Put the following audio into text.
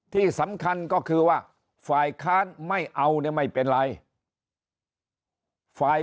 ที่สำคัญก็คือว่าฝ่ายค้านไม่เอาเนี่ยไม่เป็นไรฝ่าย